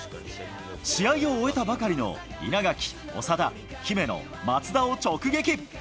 試合を終えたばかりの、稲垣、長田、姫野、松田を直撃。